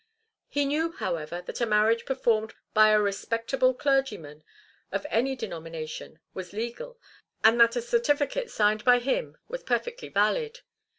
He knew, however, that a marriage performed by a respectable clergyman of any denomination was legal, and that a certificate signed by him was perfectly valid.